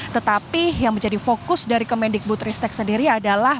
tetapi yang menjadi fokus dari kemendikbud ristek sendiri adalah